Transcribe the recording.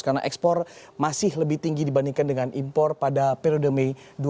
karena ekspor masih lebih tinggi dibandingkan dengan impor pada periode mei dua ribu dua puluh